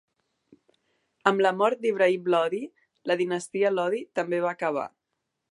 Amb la mort d'Ibrahim Lodi, la dinastia Lodi també va acabar.